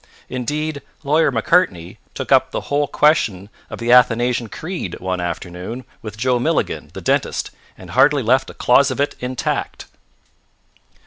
Indeed, Lawyer Macartney took up the whole question of the Athanasian Creed one afternoon with Joe Milligan, the dentist, and hardly left a clause of it intact.